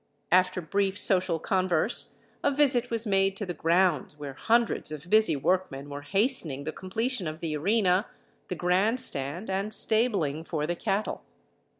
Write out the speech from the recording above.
After brief social converse a visit was made to the grounds, where hundreds of busy workmen were hastening the completion of the arena, the grand stand, and stabling for the cattle.